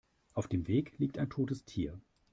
Auf dem Weg liegt ein totes Tier.